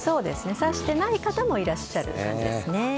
差してない方もいらっしゃる感じですね。